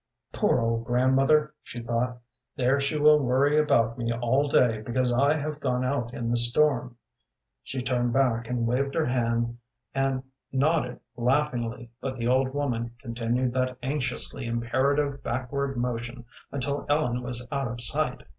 "Poor old grandmother!" she thought; "there she will worry about me all day because I have gone out in the storm." She turned back and waved her hand and nodded laughingly; but the old woman continued that anxiously imperative backward motion until Ellen was out of sight.